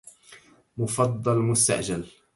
مفضل مستعجل